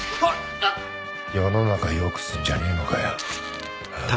世の中よくすんじゃねぇのかよ？